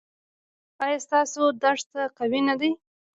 ایا ستاسو یادښت قوي نه دی؟